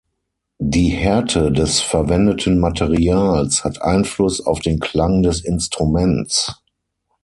Die Härte des verwendeten Materials hat Einfluss auf den Klang des Instruments.